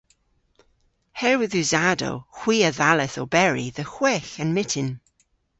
Herwydh usadow hwi a dhalleth oberi dhe hwegh a'n myttin.